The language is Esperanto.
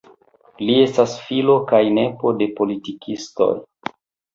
Li estas filo kaj nepo de politikistoj.